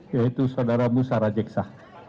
yaitu saudara musara jeksa